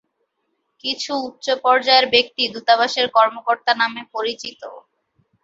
কিছু উচ্চ পর্যায়ের ব্যক্তি দূতাবাসের কর্মকর্তা নামে পরিচিত।